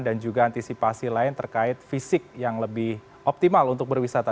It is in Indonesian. dan juga antisipasi lain terkait fisik yang lebih optimal untuk berwisata